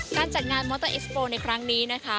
การจัดงานมอเตอร์เอสโปร์ในครั้งนี้นะคะ